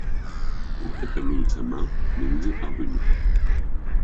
Aucun tableau de sa main ne nous est parvenu.